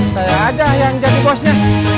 saya aja yang jadi bosnya